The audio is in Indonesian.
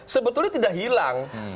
sebetulnya tidak hilang